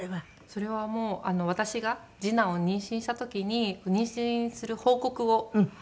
それはもう私が次男を妊娠した時に妊娠する報告をした際の動画です。